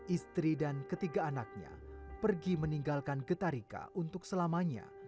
istri dan ketiga anaknya pergi meninggalkan getarika untuk selamanya